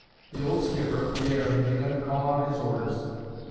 The old skipper, Pierre, had begun to call out his orders.